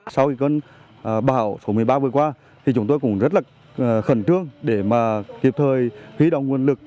sau cơn bão số một mươi ba vừa qua thì chúng tôi cũng rất là khẩn trương để kịp thời huy động nguồn lực